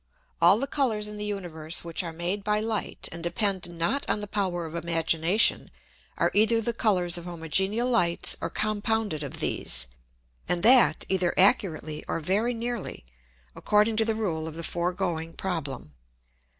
_All the Colours in the Universe which are made by Light, and depend not on the Power of Imagination, are either the Colours of homogeneal Lights, or compounded of these, and that either accurately or very nearly, according to the Rule of the foregoing Problem.